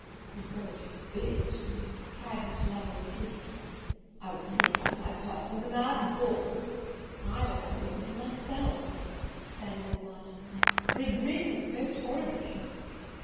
"God forbid!" cried Mr. Lovel, retreating, "I would sooner trust my person with a mad bull!" "I don't like the look of him myself," said Lord Merton, "for he grins most horribly."